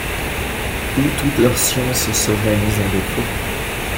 où toute leur science serait mise en défaut ?